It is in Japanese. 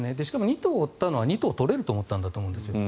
しかも二兎を追ったのは二兎取れると思ったんだと思うんです。